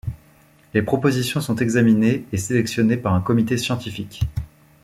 Les propositions sont examinées et sélectionnées par un comité scientifique.